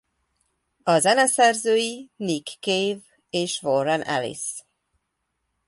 A zeneszerzői Nick Cave és Warren Ellis.